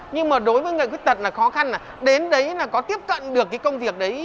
nhưng mà đối với người khuyết tật là khó khăn là đến đấy là có tiếp cận được cái công việc đấy